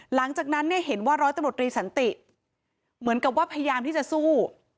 หลังจากนั้นเนี่ยเห็นว่าร้อยตำรวจรีสันติเหมือนกับว่าพยายามที่จะสู้